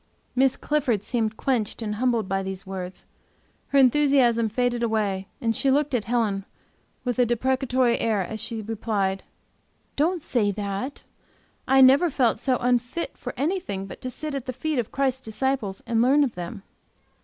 Miss Clifford seemed quenched and humbled by these words; her enthusiasm faded away and she looked at Helen with a deprecatory air as she replied: "Don't say that! I never felt so unfit for anything but to sit at the feet of Christ's disciples and learn of them."